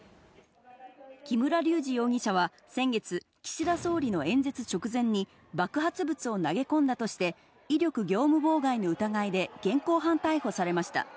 木村隆二容疑者は先月、岸田総理の演説直前に、爆発物を投げ込んだとして、威力業務妨害の疑いで現行犯逮捕されました。